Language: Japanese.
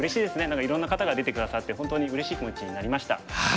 何かいろんな方が出て下さって本当にうれしい気持ちになりました。